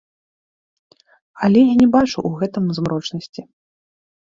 Але я не бачу ў гэтым змрочнасці.